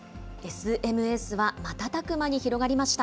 ＳＭＳは瞬く間に広がりました。